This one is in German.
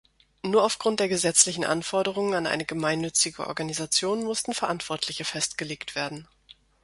Nur aufgrund der gesetzlichen Anforderungen an eine gemeinnützige Organisation mussten Verantwortliche festgelegt werden.